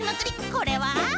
これは？